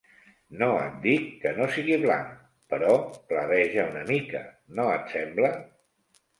No et dic que no sigui blanc, però blaveja una mica, no et sembla?